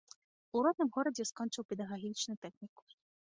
У родным горадзе скончыў педагагічны тэхнікум.